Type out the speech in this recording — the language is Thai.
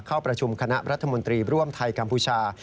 เข้าประชุมคณะรัฐมนตรีร่วมไทยกัมพูชา